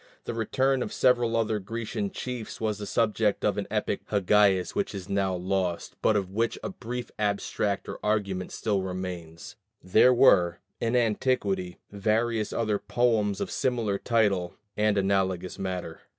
The return of several other Grecian chiefs was the subject of an epic poem by Hagias which is now lost, but of which a brief abstract or argument still remains: there were in antiquity various other poems of similar title and analogous matter.